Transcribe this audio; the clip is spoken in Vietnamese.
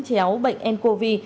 chéo bệnh ncov